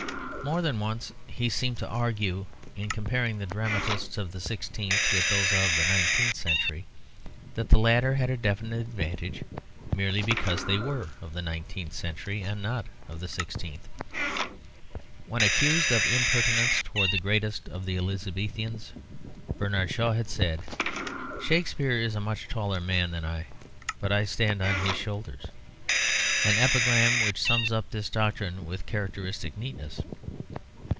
More than once he seemed to argue, in comparing the dramatists of the sixteenth with those of the nineteenth century, that the latter had a definite advantage merely because they were of the nineteenth century and not of the sixteenth. When accused of impertinence towards the greatest of the Elizabethans, Bernard Shaw had said, "Shakespeare is a much taller man than I, but I stand on his shoulders" an epigram which sums up this doctrine with characteristic neatness.